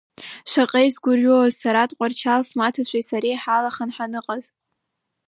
Шаҟа сгәырҩооз сара Тҟәарчал смаҭацәеи сареи ҳалаханы ҳаныҟаз.